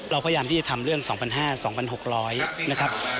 เราพยายามที่จะทำส่วน๒๐๐๕๒๐๐๖นะครับ